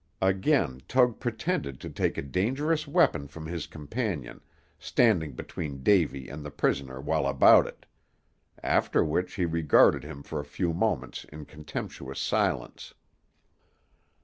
Again Tug pretended to take a dangerous weapon from his companion, standing between Davy and the prisoner while about it; after which he regarded him for a few moments in contemptuous silence.